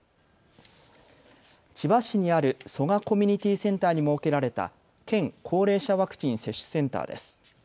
千葉市にある蘇我コミュニティセンターに設けられた県高齢者ワクチン接種センターです。